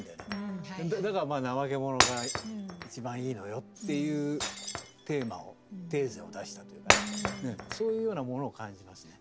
だからなまけ者が一番いいのよっていうテーマをテーゼを出したっていうかそういうようなものを感じますね。